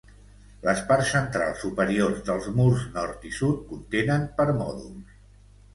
Les parts centrals superiors dels murs nord i sud contenen permòdols.